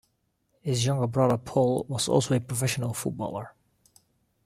His younger brother Paul was also a professional footballer.